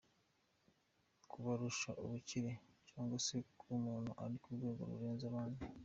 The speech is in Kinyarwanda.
Kubarusha ubukire cyangwa se kuba umuntu uri ku rwego rurenze abandi.